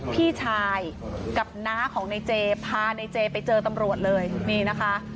พี่ชายกับน้าของในเจพาในเจไปเจอตำรวจเลยนี่นะคะ